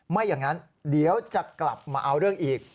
ไม่อย่างนั้นเดี๋ยวจะกลับมาเอาเรื่องอีก